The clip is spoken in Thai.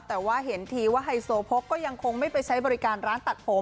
แต่ว่าเห็นทีว่าไฮโซโพกก็ยังคงไม่ไปใช้บริการร้านตัดผม